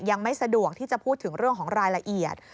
ยังไม่สะดวกที่จะพูดถึงเรื่องของรายละเอียด